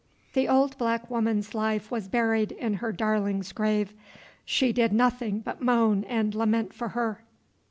The old black woman's life was buried in her darling's grave. She did nothing but moan and lament for her.